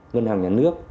ngân hàng nhà nước